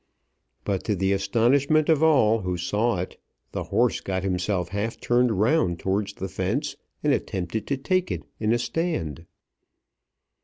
But to the astonishment of all who saw it the horse got himself half turned round towards the fence, and attempted to take it in a stand.